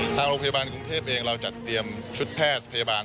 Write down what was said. ทางโรงพยาบาลกรุงเทพเองเราจัดเตรียมชุดแพทย์พยาบาล